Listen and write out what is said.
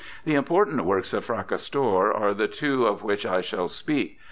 The important works of Fracastor are the two of which I shall speak.